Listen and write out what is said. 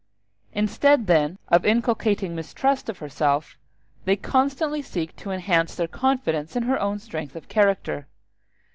Instead, then, of inculcating mistrust of herself, they constantly seek to enhance their confidence in her own strength of character.